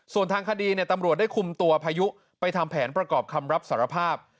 ส่วนทางคดีตำรวจได้คุมตัวพายุไปทำแผนประกอบคำรับสารภาพ